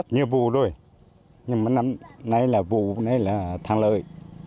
như vụ rồi nhưng mà năm nay là vụ nay là tháng lợi